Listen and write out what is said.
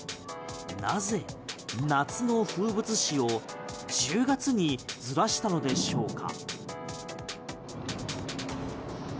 なぜ夏の風物詩を１０月にずらしたのでしょうか？